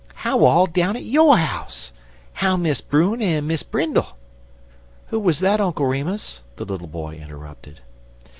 How all down at yo' house? How Miss Brune en Miss Brindle?" "Who was that, Uncle Remus?" the little boy interrupted.